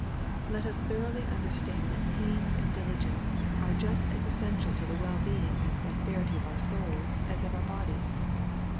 '' Let us thoroughly understand that pains and diligence are just as essential to the well being and prosperity of our souls as of our bodies.